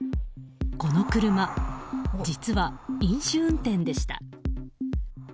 この車、実は飲酒運転でした。